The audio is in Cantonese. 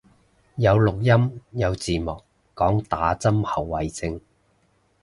有錄音有字幕，講打針後遺症